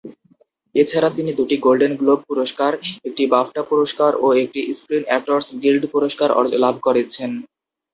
এছাড়া তিনি দুটি গোল্ডেন গ্লোব পুরস্কার, একটি বাফটা পুরস্কার ও একটি স্ক্রিন অ্যাক্টরস গিল্ড পুরস্কার লাভ করেছেন।